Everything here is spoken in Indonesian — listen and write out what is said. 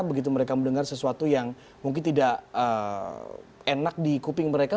begitu mereka mendengar sesuatu yang mungkin tidak enak di kuping mereka